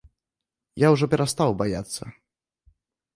Я ўжо перастаў баяцца.